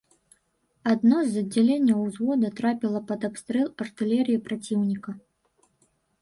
Адно з аддзяленняў ўзвода трапіла пад абстрэл артылерыі праціўніка.